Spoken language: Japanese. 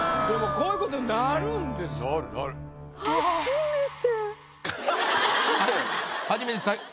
でもこういうことになるんです。